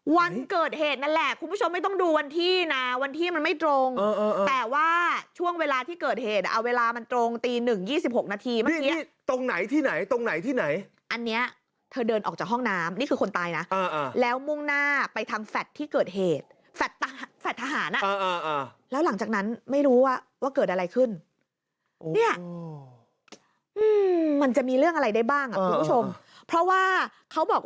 วันเกิดเหตุนั่นแหละคุณผู้ชมไม่ต้องดูวันที่นะวันที่มันไม่ตรงแต่ว่าช่วงเวลาที่เกิดเหตุเอาเวลามันตรงตี๑๒๖นาทีตรงไหนที่ไหนตรงไหนที่ไหนอันเนี้ยเธอเดินออกจากห้องน้ำนี่คือคนตายนะแล้วมุ่งหน้าไปทางแฟทที่เกิดเหตุแฟททหารอ่ะแล้วหลังจากนั้นไม่รู้ว่าว่าเกิดอะไรขึ้นมันจะมีเรื่องอะไรได้บ้